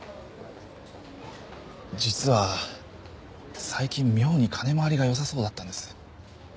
実は最近妙に金回りが良さそうだったんです。